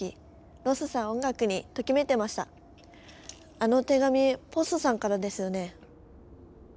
あの手紙ポッソさんからですよね？